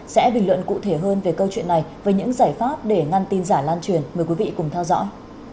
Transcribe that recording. sẽ bình luận cụ thể hơn về câu chuyện này với những giải pháp để ngăn tin giả lan truyền mời quý vị cùng theo dõi